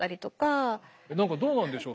何かどうなんでしょう。